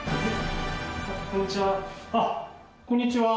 あっこんにちは。